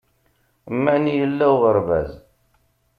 Mani yella uɣerbaz